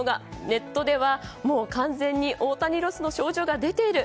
ネットではもう完全に大谷ロスの症状が出ている。